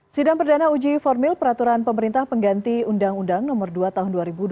sidang perdana uji formil peraturan pemerintah pengganti undang undang no dua tahun dua ribu dua puluh